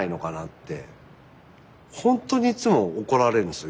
ほんとにいつも怒られるんですよ